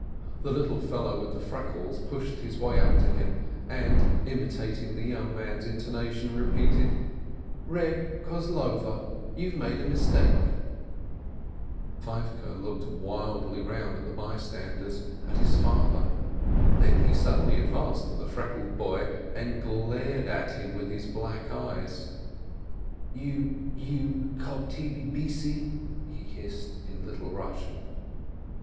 The little fellow with the freckles pushed his way up to him, and imitating the young man's intonation, repeated, "Reb Kozlover, you've made a mistake!" 560 BERKOWITZ Feivke looked wildly round at the bystanders, at his father. Then he suddenly advanced to the freckled boy, and glared at him with his black eyes. "You, you — kob tebi biessi!" he hissed in Little Russian.